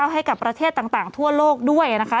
ให้กับประเทศต่างทั่วโลกด้วยนะคะ